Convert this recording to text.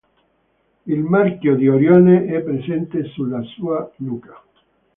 Il marchio di Orione è presente sulla sua nuca.